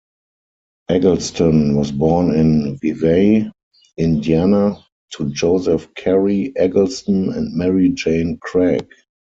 Eggleston was born in Vevay, Indiana, to Joseph Cary Eggleston and Mary Jane Craig.